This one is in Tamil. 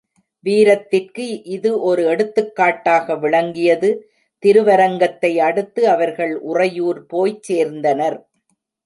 வீரத்திற்கு இது ஒரு எடுத்துக்காட்டாக விளங்கியது திருவரங்கத்தை அடுத்து அவர்கள் உறையூர் போய்ச் சேர்ந்தனர்.